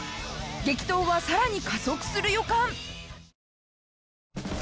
激闘はさらに加速する予感！